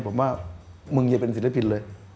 ผมว่ามึงอย่าเป็นศิลปินเลย